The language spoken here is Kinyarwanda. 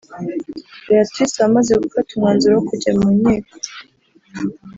Beatrice wamaze gufata umwanzuro wo kujya mu nkiko